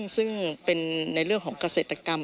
ซึ่งเป็นในเรื่องของเกษตรกรรม